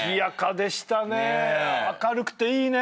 明るくていいね。